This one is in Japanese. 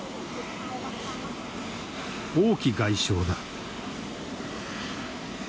王毅外相だ。